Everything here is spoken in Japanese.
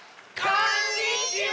こんにちは。